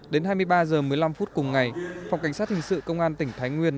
đến hai mươi ba h một mươi năm phút cùng ngày phòng cảnh sát hình sự công an tỉnh thái nguyên